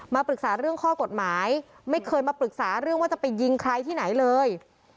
ปรึกษาเรื่องข้อกฎหมายไม่เคยมาปรึกษาเรื่องว่าจะไปยิงใครที่ไหนเลย